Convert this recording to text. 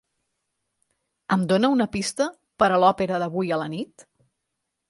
Em dona una pista per a l'òpera d'avui a la nit?